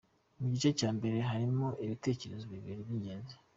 Mu gice cya mbere harimo ibitekerezo bibiri by’ingenzi :